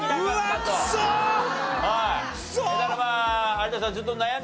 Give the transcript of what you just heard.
有田さん